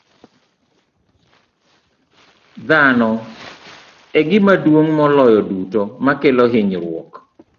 Dhano e gima duong' moloyo duto makelo hinyruok.